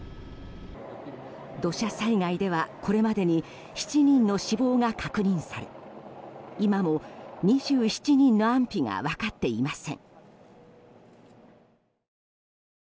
土砂災害では、これまでに７人の死亡が確認され今も２７人の安否が分かっていません。